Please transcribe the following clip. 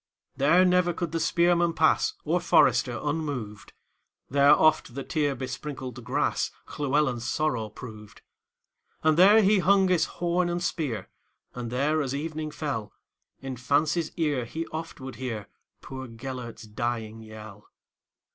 There never could the spearman pass, Or forester, unmoved; There oft the tear besprinkled grassLlewelyn's sorrow proved. And there he hung his horn and spear, And there, as evening fell, In fancy's ear he oft would hearPoor Gêlert's dying yell.